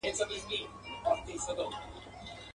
ابليس وركړله پر مخ څپېړه كلكه !.